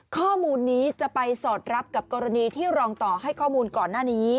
ข้อมูลนี้จะไปสอดรับกับกรณีที่รองต่อให้ข้อมูลก่อนหน้านี้